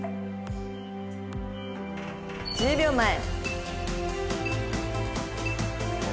１０秒前。